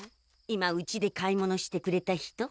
今うちで買い物してくれた人？